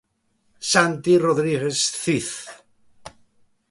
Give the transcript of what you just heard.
Santi Rodríguez Cid.